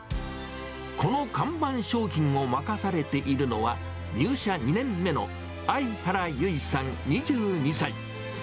この看板商品を任されているのは、入社２年目の相原優衣さん２２歳。